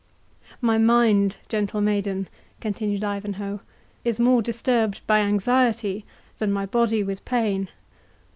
"My mind, gentle maiden," continued Ivanhoe, "is more disturbed by anxiety, than my body with pain.